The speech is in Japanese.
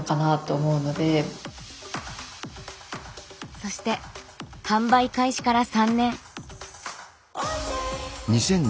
そして販売開始から３年。